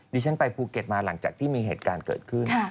ดิฉันไปภูเก็ตมาหลังจากที่มีเหตุการณ์เกิดขึ้น